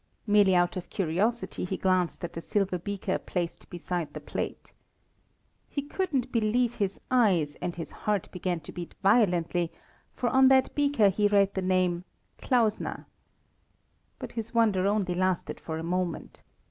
Merely out of curiosity he glanced at the silver beaker placed beside the plate. He couldn't believe his eyes, and his heart began to beat violently, for on that beaker he read the name Klausner. But his wonder only lasted for a moment.